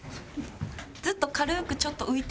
ずっと軽くちょっと浮いてる。